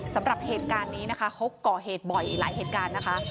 สำหรับเหตุการณ์นี้นะคะเขาก่อเหตุบ่อยหลายเหตุการณ์นะคะ